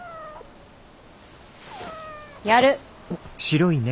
やる。